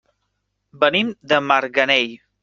Venim de Marganell.